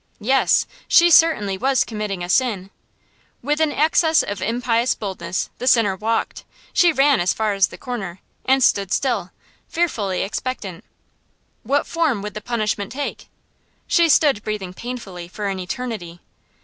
Yes, she certainly was committing a sin. With an access of impious boldness, the sinner walked she ran as far as the corner, and stood still, fearfully expectant. What form would the punishment take? She stood breathing painfully for an eternity.